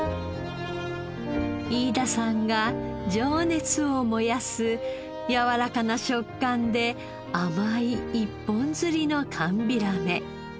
飯田さんが情熱を燃やすやわらかな食感で甘い一本釣りの寒ビラメ。